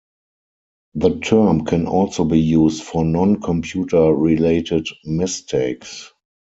The term can also be used for non-computer-related mistakes.